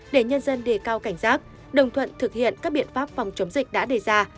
để nhân dân đề cao cảnh giác đồng thuận thực hiện các biện pháp phòng chống dịch đã đề ra